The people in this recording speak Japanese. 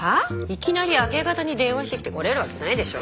いきなり明け方に電話してきて来られるわけないでしょ。